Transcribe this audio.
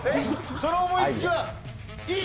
その思いつきはいい？